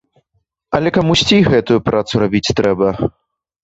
Але камусьці і гэтую працу рабіць трэба.